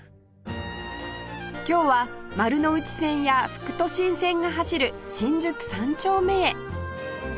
今日は丸ノ内線や副都心線が走る新宿三丁目へ